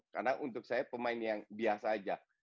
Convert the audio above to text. karena untuk saya pemain yang biasa saja